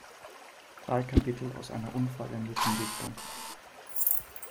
Drei Kapitel aus einer unvollendeten Dichtung“.